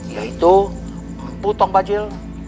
yaitu putong bajil